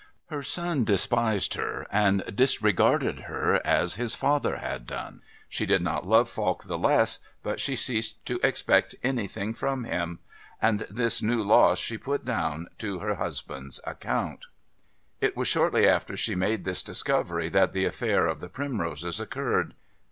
Her son despised her and disregarded her as his father had done. She did not love Falk the less, but she ceased to expect anything from him and this new loss she put down to her husband's account. It was shortly after she made this discovery that the affair of the primroses occurred.